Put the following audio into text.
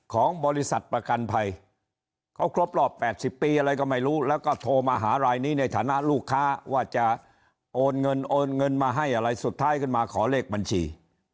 ของบริษัทประกันภัยเขาครบรอบ๘๐ปีอะไรก็ไม่รู้แล้วก็โทรมาหารายนี้ในฐานะลูกค้าว่าจะโอนเงินโอนเงินมาให้อะไรสุดท้ายขึ้นมาขอเลขบัญชี